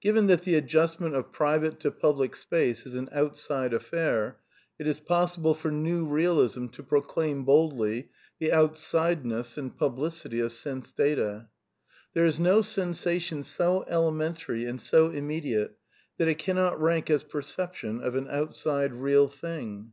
Given that the adjustment of private to publicJ space is an outside affair it is possible for New Eealism toi proclaim boldly the outsideness and publicity of sense/ data. There is no sensation so elementary and so imme diate that it cannot rank as perception of an outside real thing.